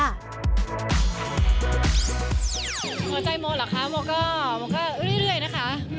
หัวใจโมเหรอคะโมก็โมก็เรื่อยนะคะ